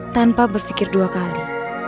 tanpa berfikir dua kali